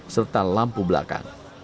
serta lampu belakang